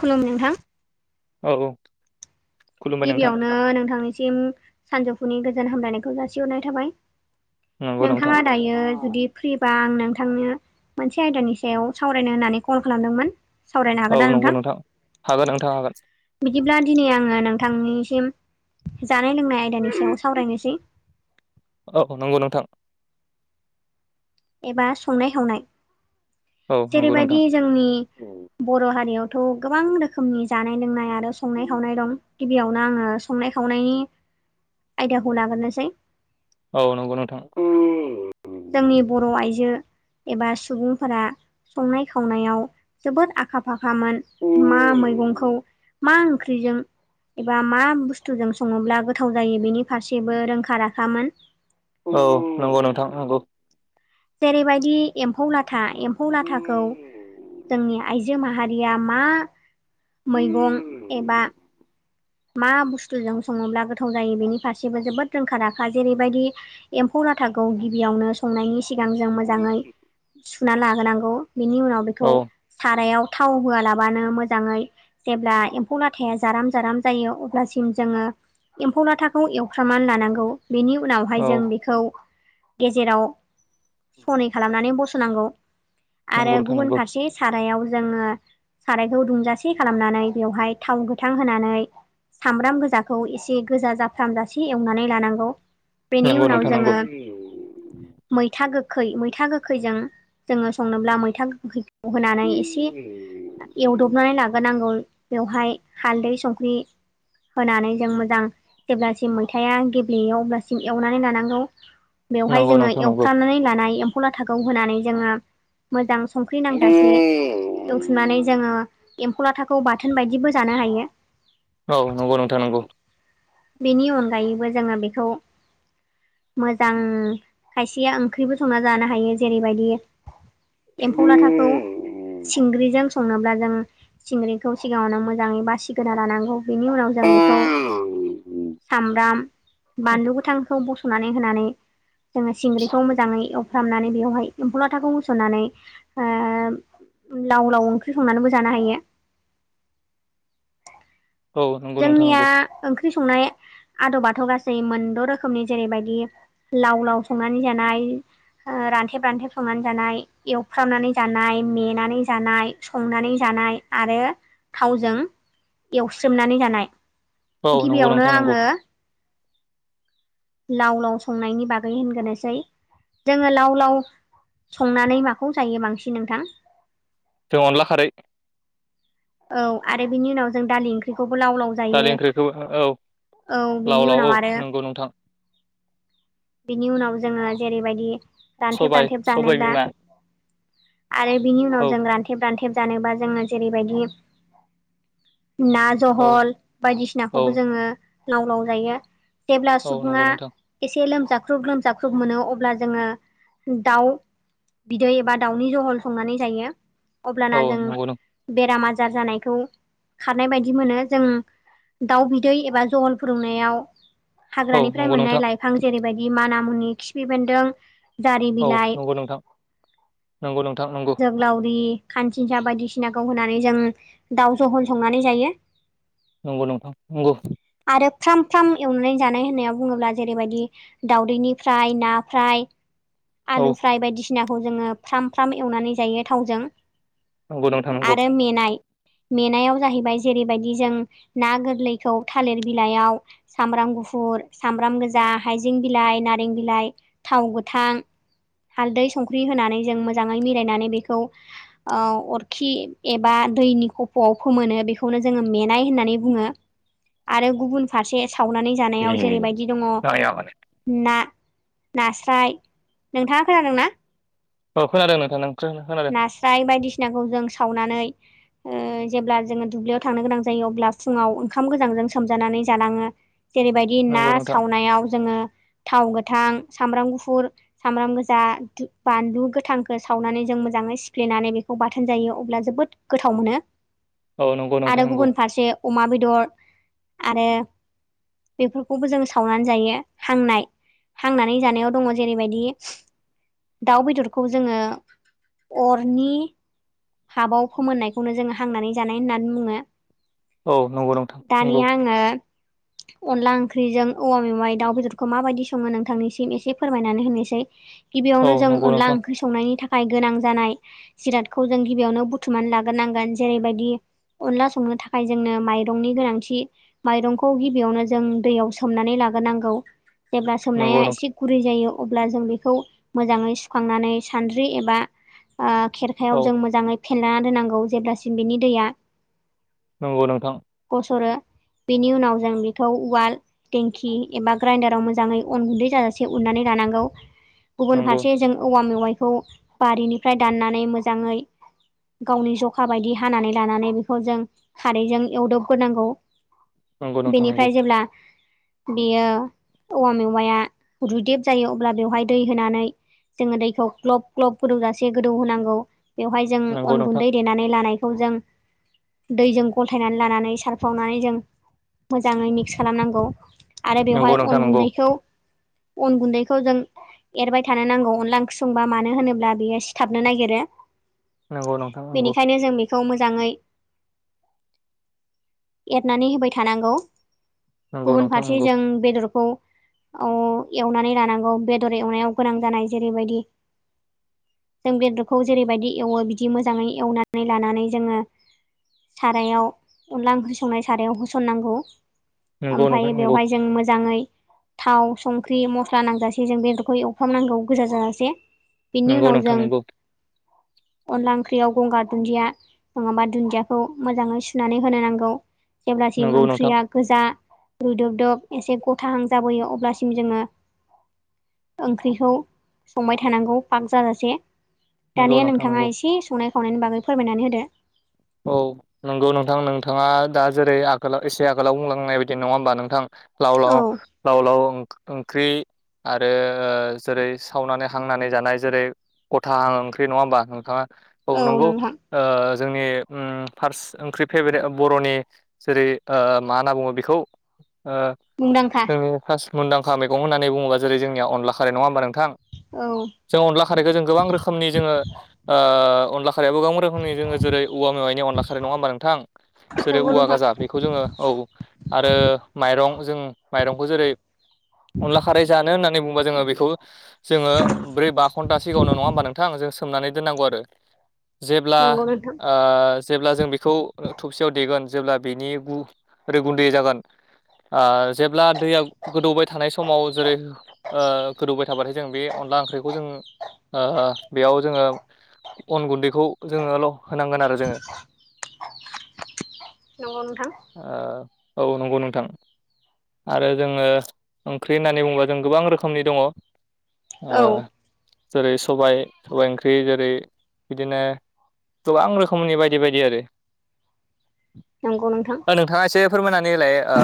खुलुम नोंथां औ औ खुलुमबाय नोंथां गिबियावनो नोंथांनिसिम सानजौफुनि गोजोन हामलायनायखौ जासिहरनाय थाबाय। नंगौ नोंथां नोंथाङा दायो दायो जुदि फ्रिबा आं नोंथांनो मोनसे आयदानि सायाव सावरायनो होननानै कल खालामदोंमोन। सावरायनो औ हागोन ना नंगौ नोंथां हागोन नोंथां हागोन बिदिब्ला दिनै आङो नोंथांनिसिम जानाय लोंनाय आयदानि सायाव सावरायनोसै। औ नंगौ नोंथां एबा संनाय खावनाय औ नंगौ जेरैबायदि नोंथां जोंनि बर' हारियावथ' गोबां रोखोमनि जानाय लोंनाय आरो संनाय खावनाय दं। गिबियावनो आङो संनाय खावनायनि आयदाखौ लाग्रोनोसै औ नंगौ नोंथां जोंनि बर' आइजो एबा सुबुंफोरा संनाय खावनायाव जोबोद आखा फाखामोन मा मैगंखौ मा ओंख्रिजों एबा मा बुस्थुजों सङोब्ला गोथाव जायो बेनि फारसेबो रोंखा राखामोन। औ नंगौ नोंथां नंगौ जेरैबायदि एम्फौ लाथा एम्फौ लाथाखौ जोंनि आइजो माहा रिया मा मैगं एबा मा बुस्थुजों सङोब्ला गोथाव जायो बेनि फारसेबो जोबोद रोंखा राखा जेरैबायदि एम्फौ लाथाखौ गिबियावनो संनायनि सिगां जों मोजाङै सुना लाहोनांगौ बेनि उनाव बेखौ औ सारायाव थाव होआलाबानो मोजाङै जेब्ला एम्फौ लाथाया जाराम जाराम जायो अब्लासिम जोंङो एम्फौ लाथाखौ एवफ्रामनानै लानांगौ। बेनि उनावहाय औ जों बेखौ गेजेराव सनै खालामनानै बसनांगौ आरो नंगौ नोंथां गुबुन नंगौ फारसे सारायाव जोंङो सारायखौ दुंजासे खालामनानै बेवहाय थाव गोथां होनानै सामब्राम गोजाखौ एसे गोजा जाफ्राम जासे एवनानै लानांगौ। बेनि नंगौ उनाव नोंथां नंगौ जोंङो मैथा गोखै मैथा गोखैजों जोंङो संनोब्ला मैथा गोखै होनानै एसे एवदबनानै लाग्रोनांगौ बेवहाय हालदै संख्रि होनानै जों मोजां जेब्लासिम मैथाया गेब्लेयो अब्लासिम एवनानै लानांगौ बेवहाय नंगौ जोङो नोंथां नंगौ एवफ्रनानै लानाय एम्फौ लाथाखौ होनानै जोङो। मोजां संख्रि नांजासे एवथुमनानै जोङो एम्फौ लाथाखौ बाथोन बायदिबो जानो हायो। औ नंगौ नोंथां नांगौ बेनि अनगायैबो जोंङो बेखौ मोजां खायसेया ओंख्रिबो संना जानो हायो जेरैबायदि एम्फौ लाथाखौ सिंग्रिजों संनोब्ला जों सिंग्रिखौ सिगाङावनो मोजांङै बासिग्रोना लानांगौ बेनि उनाव जों बेखौ सामब्राम बानलु गोथांखौ बस नानै होनानै जोंङो सिंग्रिखौ मोजाङै एव फ्रामनानै बेवहाय एम्फौ लाथाखौ होसननानै ओ लाव लाव ओंख्रि संनानैबो जानो हायो। औ नंगौ नोंथां जोंनिया नंगौ ओंख्रि संनाय आदब बाथौ गासै मोनद' रोखोमनि जेरैबायदि लाव लाव संनानै जानाय ओ रान्थेब रान्थेब संनानै जानाय एवफ्रामनानै जानाय मेनानै जानाय संनानै जानाय आरो थावजों एवस्रोमनानै जानाय औ नंगौ नोंथां गिबियावनो नंगौ आंङो लाव लाव संनायनि बागै होनग्रोनोसै जोंङो लाव लाव संनानै माखौ जायो बांसिन नोंथां जों अनला खारै औ आरो बिनि उनाव जों दालि ओंख्रिखौबो लाव लाव दालि दायो ओंख्रिखौ औ औ लाव बिनि लाव औ उनाव आरो नंगौ नोंथां बिनि उनाव जोंङो जेरैबायदि दानथेब सबाय दानथेब सबाय जानोब्ला बिमा आरो बिनि उनाव औ जों रानथेब रानथेब जानोबा जोंङो जेरैबायदि ना औ जहल बायदिसिनाखौबो औ जोंङो। लाव लाव जायो जेब्ला औ नंगौ सुबुंङा नोंथां एसे लोमजाख्रुब लोमजाख्रुब मोनो अब्ला जोंङो दाउ बिदै एबा दाउनि जहल संनानै जायो औ अब्लाना जों नंगौ नों बेराम जा जानायखौ खारनाय बायदि मोनो जों दाउ बिदै एबा जहल फुदुंनायाव औ हाग्रानिफ्राय नंगौ मोननाय नोंथां लाइफां जेरैबायदि माना मुनि खिफि बेन्दों जारि औ बिलाइ नंगौ नोंथां नंगौ नोंथां नंगौ जोहोलावरि खांसिनसा बायदिसिनाखौ होनानै जों दाउ जहल संनानै जायो। नंगौ नंगौ आरो फ्राम फ्राम एवनानै जानाय होननायाव बुंङोब्ला जेरैबायदि दाउदैनिफ्राय ना फ्राय औ आलु फ्राय बायदिसिनाखौ जोंङो फ्राम फ्राम एवनानै जायो थावजों नंगौ नोंथां नंगौ आरो मेनाय मेनायाव जाहैबाय जेरैबायदि जों ना गोरलैखौ थालिर बिलाइयाव सामब्राम गुफुर सामब्राम गोजा हाइजें बिलाइ नारें बिलाइ थाव गोथां हालदै संख्रि होनानै जों मोजांङै मिलायनानै बेखौ ओ अरखि एबा दैनि खफ'आव फोमोनो बेखौनो जोंङो मेनाय होननानै बुंङो। आरो गुबुन फारसे सावनानै जानायाव जेरैबायदि दंङ' नाया माने ना नास्राय नोंथांङा खोनादों ना? औ खोनादों नोंथां खोनादों नास्राय बायदिसिनाखौ जों सावनानै उम जेब्ला जोंङो दुब्लियाव थांनो गोनां जायो अब्ला फुंङाव ओंखाम गोजांजों सोमजानानै जालाङो जेरैबायदि ना नंगौ नोंथां सावनायाव जोंङो थाव गोथां सामब्राम गुफुर सामब्राम गोजा दि बानलु गोथांखौ सावनानै जों मोजांङै सिफ्लेनानै बेखौ बाथोन जायो अब्ला जोबोद गोथाव मोनो। औ नंगौ नोंथां आरो नंगौ गुबुन फारसे अमा बेदर आरो बेफोरखौबो जोंङो सावनानै जायो हांनाय हांनानै जानायाव दंङो जेरैबायदि दाउ बेदरखौ जोंङो अरनि थाबाव फोमोननायखौनो जोंङो हांनानै जानाय होननानै बुंङो। औ नंगौ नोंथां नंगौ दानिया आंङो अनला ओंख्रिजों औवा मेवाइ दाउ बेदरखौ माबायदि संङो नोंथांनिसिम एसे फोरमायनानै होनिसै गिबियावनो जों अनला ओंख्रि संनायनि थाखाय गोनां जानाय जिरादखौ जों गिबियावनो बुथुमनानै लाग्रोनांगोन जेरैबायदि अनला संनो थाखाय जोंनो माइरंनि गोनांथि माइरंखौ गिबियावनो जों दैयाव सोमनानै लाग्रोनांगौ जेब्ला सोमनाया एसे गुरै जायो अब्ला जों बेखौ मोजांङै सुखांनानै सानद्रि एबा आ खेरखायाव औ जों मोजांङै फेना दोननांगौ जेब्लासिम बेनि दैया नंगौ नोंथां गसरो बेनि उनाव जों बेखौ उवाल टेंखि एबा ग्राइडाराव मोजाङै अन गुन्दै जाजासे उननानै लानांगौ गुबुन नंगौ फारसे जों औवा मेवाइखौ बारिनिफ्राय दाननानै मोजाङै गावनि जखा बायदि हानानै लानानै बेखौ जों खारैजों एवदबग्रोनांगौ नोंथां औ बेनिफ्राय जेब्ला बेयो औवा मेवाया रुैदेब जायो अब्ला बेवहाय दै होनानै जोङो दैखौ ग्लब ग्लब गोदौजासे गोदौ होनांगौ बेवहाय जों नंगौ अन गुन्दै देनानै लानाय खौ जों दैजों गलथायनानै लानानै सारफावनानै जों मोजाङै मिक्स खालामनांगौ आरो बेवहाय नोंथां अन नंगौ गुन्दैखौ अन गुन्दैखौ जों एरबाय थानो नांगौ अनला ओंख्रि संबा मानो होनोब अब्ला बियो सिथाबनो नागिरो नंगौ नोंथां नंगौ बेनिखायनो जों बेख खौ मोजाङै एरनानै होबाय थानांगौ नंगौ गुबुन नोंथां फारसे जों बेदरखौ अ एवनानै लानांगौ बेदर एवनायाव गोनां जानाय जेरैबायदि जों बेदरखौ जेरैबायदि एवो बिदि मोजाङै एवनानै लानानै जोङो सारायाव अनला ओंख्रि संनाय सारायाव होसननांगौ नंगौ ओमफाय नोंथां नंगौ नोंथां नंगौ बेवहाय जों मोजाङै थाव संख्रि मस्ला नांजासे जों बेदरखौ एवफ्राम नांगौ गोजा जाजासे बिनि नंगौ उनाव जों नोंथां नंगौ नोंथां नंगौ नोंथां नंगौ अनला ओंख्रियाव गंगार दुन्दिया नङाबा घोन्दियाखौ मोजाङै सुनानै होनो नांगौ जेब्लासिम नंगौ नोंथां नंगौ ओंख्रिया गोजा रुयदुब दुब एसे गथाहां जाबोयो अब्लासिम जोङो ओंख्रिखौ संबाय थानांगौ फाग जाजासे नंगौ दानिया नोंथां नंगौ नोंथाङा एसे संनाय खावनायनि बागै फोरमायनानै होदो औ नंगौ नोंथां नोंथाङा दा जेरै आगोलाव एसे आगोलाव बुंलांनाय बायदि नङा होमबा नोंथां लाव औ लाव लाव लाव ओ ओंख्रि आरो जेरै सावनानै हांनानै जानाय जेरै गथा हां ओंख्रि नङा होमबा नोंथाङा औ नंगौ जोंनि उम फार्स्ट ओंख्रि फेभरेट बर'नि जेरै ओ मा होनना बुङो बेखौ ओ मुंदांखा ओं फास् मुंदांखा मेैगं होनना बुङोबा जेरै जोंनिया अनला खारि नङा होनबा नोंथां औ जों अनला खारैखौ जों गोबां रोखोमनि जोङो ओ अनला खारैयाबो गोबां रोखोमनि दोंङो जेरै औवा मेवायनि अनला खारै नङा होमबा नोंथां जेरै नंगौ औवा नोंथां गाजा बेखौ जोङो औ आरो माइरं जों माइरंखौ जेरै अनला खारै जानो होननानै बुंबा जोङो बेखौ जोङो ब्रै बा घन्टा सिगाङावनो नङा होमबा नोंथां जों सोमनानै दोननांगौ आरो जेब्ला एथ ओ जेब्ला जों बेखौ थबसियाव देगोन जेब्ला बेनि गु रै गुन्दै जागोन ओ जेब्ला दैया गोदौबाय थानाय समाव जेरै ओ गोदौबाय थाबाथाय जों बे अनला ओंख्रिखौ जों ओ बेयाव जोङो अन गुन्दैखौ जोङो ल' होनांगोन आरो जोङो। नंगौ नोंथां ओ औ नंगौ नोंथां। आरो जोङो ओंख्रि होननानै बुंङोबा जों गोबां रोखोमनि दङ। ओ औ जेरै सबाइ सबाइ ओंख्रि जेरै बिदिनो गोबां रोखोमनि बायदि बायदि आरो नंगौ नोंथां। ओ नोंथाङा एसे फोरमायनानैलाय ओ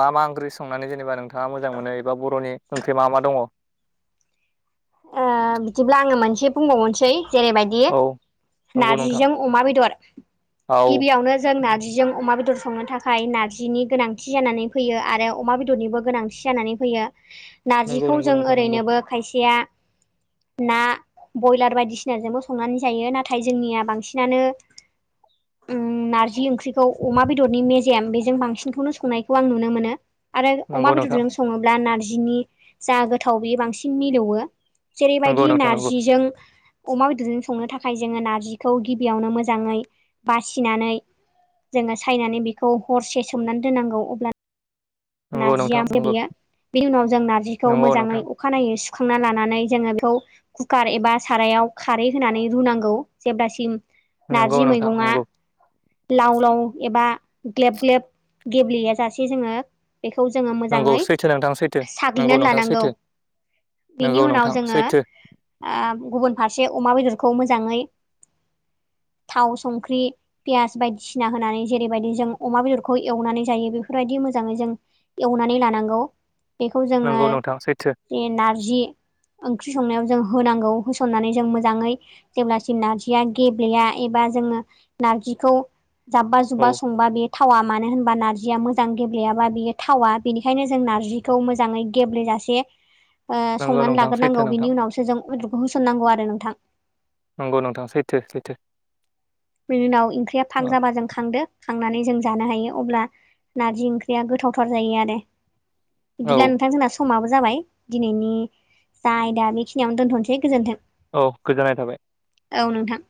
मा मा ओंख्रि संनानै जेनेबा नोंथाङा मोजां मोनो एबा बर'नि ओंख्रि मा मा दङ? ओ बिदिब्ला आंङो मोनसे बुंबावनोसै जेरैबायदि औ दे नंगौ नोंथां नारजिजों अमा बेदर औ गिबियावनो जों नारजिजों अमा बेदर संनो थाखा खाय नार्जिनि गोनांथि जानानै फैयो आरो अमा बेदरनिबो गोनांथि जानानै फैयो। नंगौ नारजिखौ नंगौ जों नोंथां नंगौ ओरैनोबो खायसेया ना ब्रयलार बायदिसिना जोंबो संनानै जायो नाथाय जोंनिया बांसिनानो [inaudible] ओम नारजि ओंख्रिखौ अमा बेदरनि मेजेम बेजों बांसिनखौनो संनायखौ आं नुनो मोनो। आरो अमा नंगौ नोंथां बेदरजों सङोब्ला नारजिनि जा गोथाव बेयो बांसिन मिलौओ। जेरै' नंगौ बायदि नोंथां नारजिजों अमा बेदरजों संनो थाखाय जोङो नारजिखौ गिबियावनो मोजाङै बासिनानै जोङो सायनानै बेखौ हरसे सोमनानै दोननांगौ अब्ला नंगौ नंगौ नारजिया नोंथां ओमफ्राय नंगौ बियो बिनि उनाव जों नार्जिखौ नंगौ मोजाङै नोंथां अखानायै सुखांना लानानै जोङो बेखौ कुकार एबा सारायाव खारै होनानै रुनांगौ जेब्लासिम नंगौ नारजि नोंथां मैगंआ नंगौ लाव लाव एबा ग्लेब ग्लेब गेब्लेया जासे जोङो बेखौ जोङो नंगौ मोजाङै सैथो नोंथां सैथो नंगौ साग्लिनानै नोंथां लानांगौ। सैथो बिनि नंगौ उनाव नोंथां जोङो सैथो ओ गुबुन फारसे अमा बेदरखौ मोजाङै थाव संख्रि पियास बायदिसिना होनानै जेरै'बायदि जों अमा बेदरखौ एवनानै जायो बेफोरबायदि मोजाङै जों एवनानै लानांगौ बेखौ जोङो नंगौ नोंथां सैथो जि नारजि ओंख्रि संनायाव जों होनांगौ होसननानै जों मोजाङै जेब्लासिम नारजिया गेब्लेया एबा जोङो नारजिखौ जाब्बा औ जुब्बा संबा बेयो थावा मानो होनबा नारजिया मोजां गेब्लेयाबा बेयो थावा बेनिखायनो जों नारजिखौ मोजाङै गेब्लेेजासे ओ नंगौ संनानै नोंथां लाग्रोनांगौ सैथो नोंथां बिनि उनावसो जों बेदरखौ होसननांगौ आरो नोंथां। नंगौ नोंथां सैथो सैथो। बिनि उनाव ओंख्रिया फाग औ जाबा जों खांदो। खांनानै जों जानो हायो अब्ला नारजि ओंख्रिया गोथावथार जायो आरो। बिदिब्ला नोंथां जोंना समाबो जाबाय दिनैनि जा आयदा बेखिनियावनो दोनथ'नोसै गोजोन्थों। औ गोजोननाय थाबाय‌। औ नोंथां।